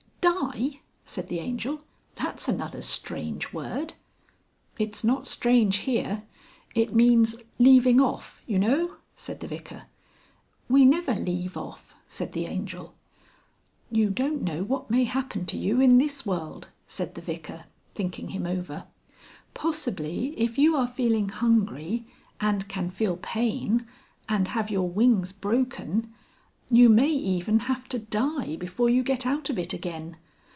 "Die!" said the Angel. "That's another strange word!" "It's not strange here. It means leaving off, you know," said the Vicar. "We never leave off," said the Angel. "You don't know what may happen to you in this world," said the Vicar, thinking him over. "Possibly if you are feeling hungry, and can feel pain and have your wings broken, you may even have to die before you get out of it again.